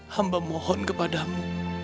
hamba mohon kepadamu